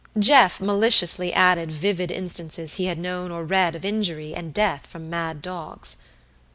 Jeff maliciously added vivid instances he had known or read of injury and death from mad dogs.